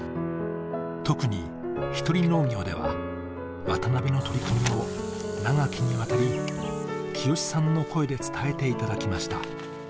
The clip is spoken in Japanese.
特に「ひとり農業」では渡辺の取り組みを長きにわたり、清志さんの声で伝えていただきました。